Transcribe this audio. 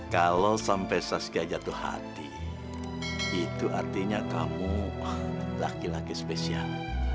kalau sampai saskia jatuh hati itu artinya kamu laki laki spesial